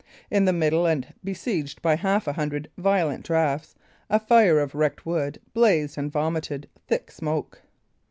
In the middle, and besieged by half a hundred violent draughts, a fire of wreck wood blazed and vomited thick smoke.